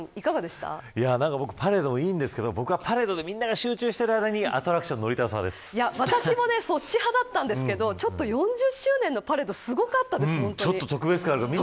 パレードもいいですがみんなが集中している間にアトラクションに私もそっち派だったんですけど４０周年のパレードすごかったです。